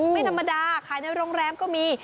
ไม่ธรรมดาขายในโรงแรมก็มี